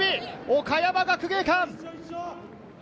岡山学芸館！